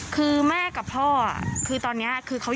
คือแม่ก็พ่อคนป่าแล้ว